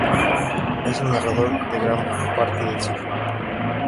Es el narrador de gran parte del ciclo.